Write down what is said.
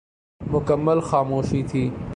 مکمل خاموشی تھی ۔